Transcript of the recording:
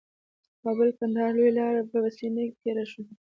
کابل قندهار لویه لاره یې په سینه تېره شوې